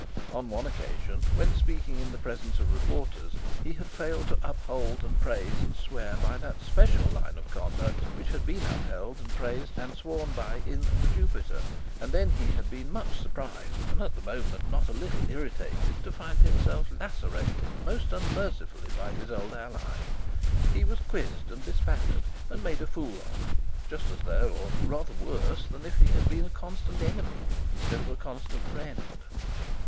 On one occasion, when speaking in the presence of reporters, he had failed to uphold and praise and swear by that special line of conduct which had been upheld and praised and sworn by in the Jupiter, and then he had been much surprised and at the moment not a little irritated to find himself lacerated most unmercifully by his old ally. He was quizzed and bespattered and made a fool of, just as though, or rather than if, he had been a constant enemy instead of a constant friend.